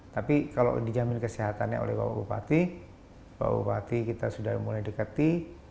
tapi kalau dijamin kesehatannya oleh bapak bupati bapak bupati kita sudah mulai dekati